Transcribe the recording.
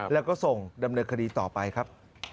แล้วก็ส่งดำเนินคดีต่อไปครับ